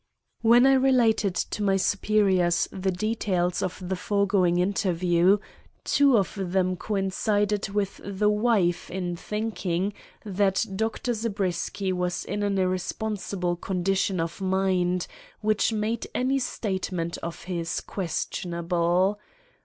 When I related to my superiors the details of the foregoing interview, two of them coincided with the wife in thinking that Dr. Zabriskie was in an irresponsible condition of mind which made any statement of his questionable.